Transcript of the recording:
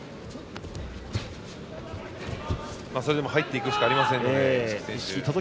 それでも入っていくしかないので一色選手は。